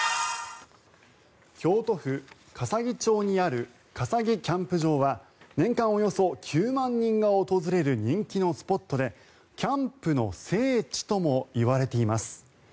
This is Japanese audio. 京都府笠置町にある笠置キャンプ場は年間およそ９万人が訪れる人気のスポットでキャンプの聖地ともいわれています。